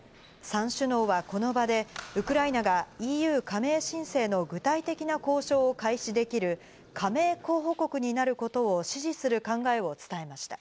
３首脳はこの場で、ウクライナがＥＵ加盟申請の具体的な交渉を開始できる加盟候補国になることを支持する考えを伝えました。